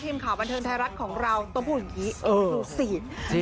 ทีมข่าวบันเทิงไทยรัฐของเราต้มผู้หญิงเอ็กซูซี